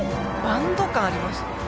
バンド感ありますよ。